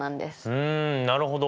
うんなるほど。